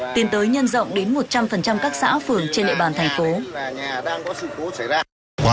tiến tới nhân rộng đến một trăm linh các xã phường trên địa bàn thành phố